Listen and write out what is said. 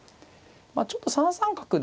まあちょっと３三角ですとね